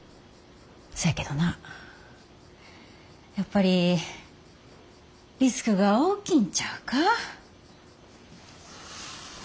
そやけどなやっぱりリスクが大きいんちゃうか？